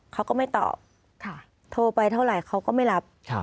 เขาก็ไม่ตอบโทรไปเท่าไหร่เขาก็ไม่รับ